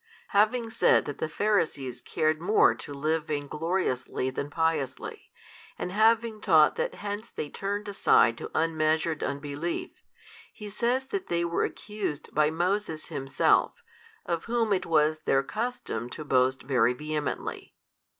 Having said that the Pharisees cared more to live vain gloriously than piously, and having taught that hence they turned aside to unmeasured unbelief, He says that they were accused by Moses himself, of whom it was their custom to boast very vehemently.